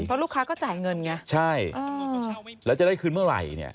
เพราะลูกค้าก็จ่ายเงินไงใช่แล้วจะได้คืนเมื่อไหร่เนี่ย